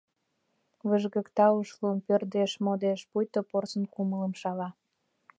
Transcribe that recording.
Выжгыкта ош лум, пӧрдеш, модеш, Пуйто порсын кумылым шава.